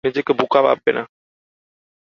নিজেকে বোকা ভাববে না।